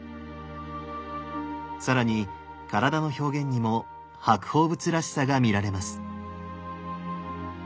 更に体の表現にも白鳳仏らしさが見られます。